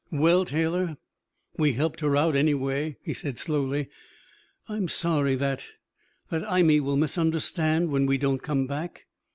"Well, Taylor, we helped her out, anyway," he said slowly. "I'm sorry that that Imee will misunderstand when we don't come back."